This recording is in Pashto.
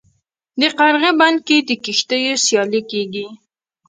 د قرغې بند کې د کښتیو سیالي کیږي.